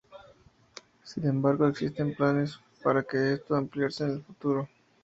Sin embargo, existen planes para que esto ampliarse en el futuro.